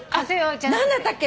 何だったっけ？